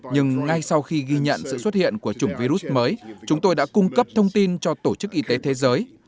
nhưng ngay sau khi ghi nhận sự xuất hiện của chủng virus mới chúng tôi đã cung cấp thông tin cho tổ chức y tế thế giới